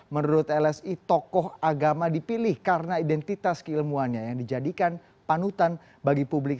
menurut lsi tokoh agama dipilih karena identitas keilmuannya yang dijadikan panutan bagi publik